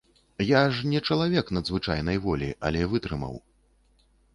Я ж не чалавек надзвычайнай волі, але вытрымаў.